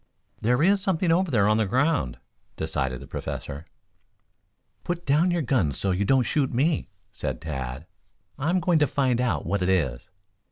"There is something over there on the ground," decided the Professor. "Put down your guns so you don't shoot me," said Tad. "I'm going to find out what it is."